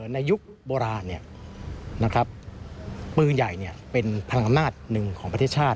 ยุคโบราณปืนใหญ่เป็นพลังอำนาจหนึ่งของประเทศชาติ